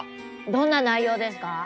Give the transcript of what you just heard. どんな内容ですか？